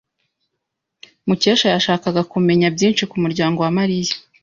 Mukesha yashakaga kumenya byinshi ku muryango wa Mariya.